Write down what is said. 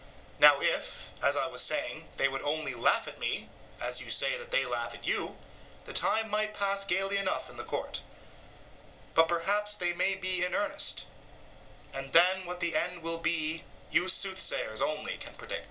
Now if, as I was saying, they would only laugh at me, as you say that they laugh at you, the time might pass gaily enough in the court; but perhaps they may be in earnest, and then what the end will be you soothsayers only can predict.